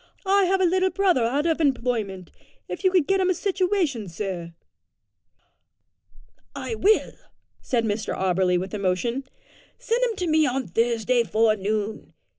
I have a little brother out of employment; if you could get him a situation, sir." "I will," said Mr Auberly with emotion. "Send him to me on Thursday forenoon.